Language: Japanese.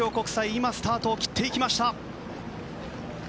今、スタートを切っていきました。